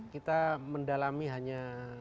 kita mendalami hanya